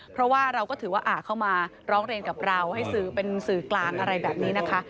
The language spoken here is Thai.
เพราะว่าเราก็ถือว่าเข้ามาร้องเรียนกับเราให้สื่อเป็นสื่อกลางอะไรแบบนี้นะคะ